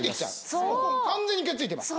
完全にくっついてます。